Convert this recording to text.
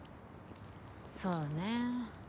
そうね。